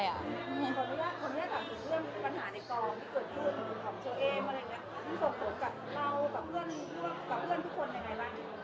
ตรงนี้ถามถึงเรื่องปัญหาในกลางที่เกิดมาเดี๋ยวเราก็ถามเชอร์เมมอะไรอย่างนี้